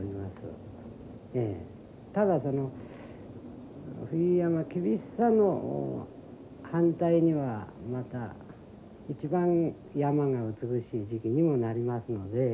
ただその冬山厳しさの反対にはまた一番山が美しい時期にもなりますのでフフフ。